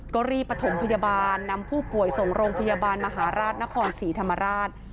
ก็รีบประถมพยาบาลนำผู้ป่วยส่งโรงพยาบาลมหาราชนครศรีธรรมราช